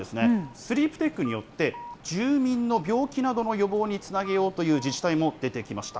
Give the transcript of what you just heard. スリープテックによって、住民の病気などの予防につなげようという自治体も出てきました。